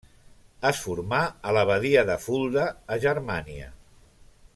Es formà a l'abadia de Fulda, a Germània.